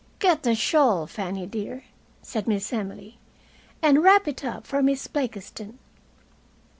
"Get the shawl, Fanny, dear," said Miss Emily, "and wrap it up for Miss Blakiston."